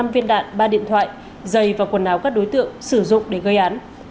năm viên đạn ba điện thoại giày và quần áo các đối tượng sử dụng để gây án